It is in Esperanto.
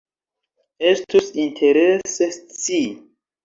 Estus interese scii.